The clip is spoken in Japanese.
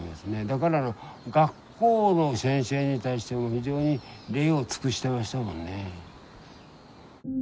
だから学校の先生に対しても非常に礼を尽くしてましたもんね。